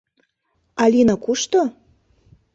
— Алина кушто?